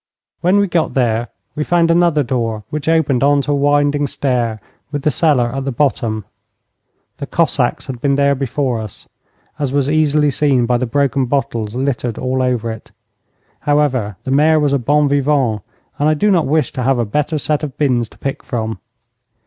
When we got there we found another door, which opened on to a winding stair with the cellar at the bottom. The Cossacks had been there before us, as was easily seen by the broken bottles littered all over it. However, the Mayor was a bon vivant, and I do not wish to have a better set of bins to pick from.